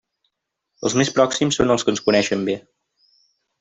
Els més pròxims són els que ens coneixen bé.